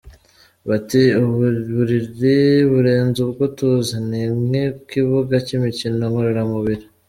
Bati “Ubu buriri burenze ubwo tuzi, ni nk’ikibuga cy’imikino ngororamubiri.